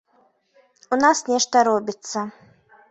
У нас нешта робіцца.